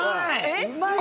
うまい！